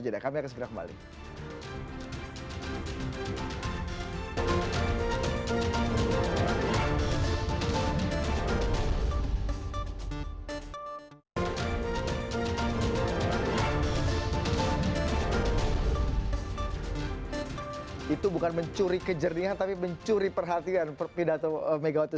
jeda kami akan segera kembali itu bukan mencuri kejernihan tapi mencuri perhatian pidato megawati